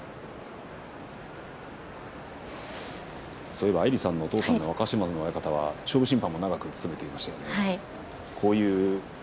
そういえばアイリさんのお父さんの若嶋津の親方は勝負審判を長く続けていましたね。